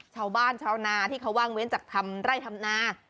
ชาวนาที่เขาว่างเว้นจากทำไร่ทำนา